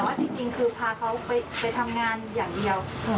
จริงคือพาเขาไปทำงานอย่างเดียว